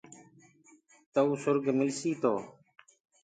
تئوٚ سُرگ ملسيٚ، تو